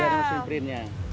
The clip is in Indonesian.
sudah ada mesin printnya